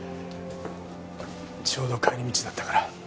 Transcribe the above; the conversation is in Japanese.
ちょうど帰り道だったから。